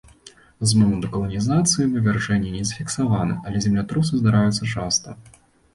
З моманту каланізацыі вывяржэнні не зафіксаваны, але землятрусы здараюцца часта.